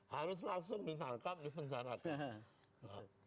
harus langsung ditangkap dipenjarakan